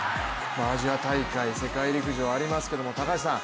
アジア大会、世界陸上ありますけれども、高橋さん